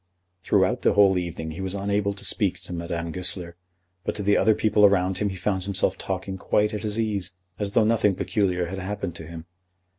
Throughout the whole evening he was unable to speak to Madame Goesler, but to the other people around him he found himself talking quite at his ease, as though nothing peculiar had happened to him.